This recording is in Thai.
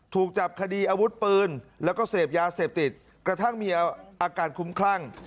ถูกจับคดีอาวุธปืนแล้วก็เสพยาเสพติดกระทั่งมีอาการคุ้มคลั่ง